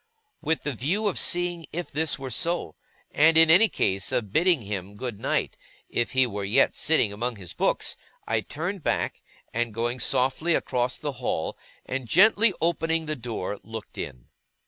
With the view of seeing if this were so, and, in any case, of bidding him good night, if he were yet sitting among his books, I turned back, and going softly across the hall, and gently opening the door, looked in.